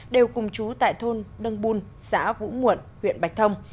đều cùng chú tại thôn đăng buôn xã vũ muộn huyện bạch thông